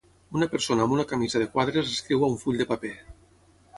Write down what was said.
Una persona amb una camisa de quadres escriu a un full de paper.